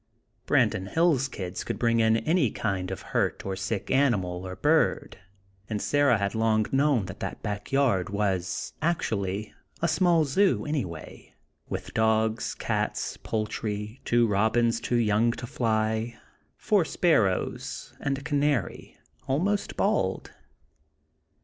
Branton Hills kids could bring any kind of a hurt or sick animal or bird; and Sarah had long known that that back yard was, actually, a small zoo, anyway; with dogs, cats, poultry, two robins too young to fly, four sparrows and a canary, almost bald.